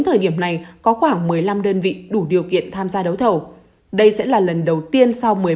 thời điểm này có khoảng một mươi năm đơn vị đủ điều kiện tham gia đấu thầu đây sẽ là lần đầu tiên sau